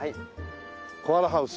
コアラハウス。